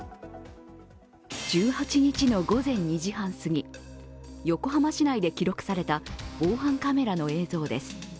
１８日の午前２時半すぎ、横浜市内で記録された防犯カメラの映像です。